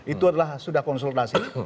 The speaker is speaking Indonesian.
itu adalah sudah konsultasi